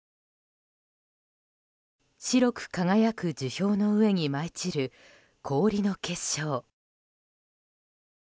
白く輝く樹氷の上に舞い散る氷の結晶。